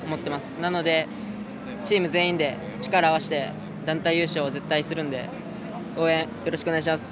なのでチーム全員で力を合わせて団体優勝を絶対するので応援、よろしくお願いします。